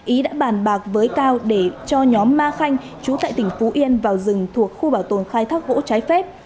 ý đã bàn bạc với cao để cho nhóm ma khanh chú tại tỉnh phú yên vào rừng thuộc khu bảo tồn khai thác gỗ trái phép